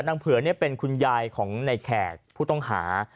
เผือเป็นคุณยายของในแขกผู้ต้องหา